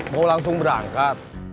mau langsung berangkat